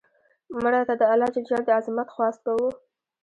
مړه ته د الله ج د عظمت خواست کوو